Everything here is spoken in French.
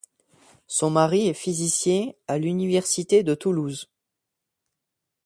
Son mari est physicien à l’université de Toulouse.